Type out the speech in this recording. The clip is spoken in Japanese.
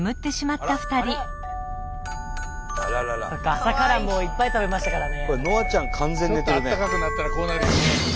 朝からいっぱい食べましたからね。